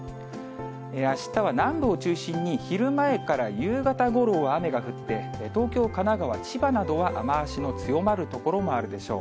あしたは南部を中心に、昼前から夕方ごろは雨が降って、東京、神奈川、千葉などは雨足の強まる所もあるでしょう。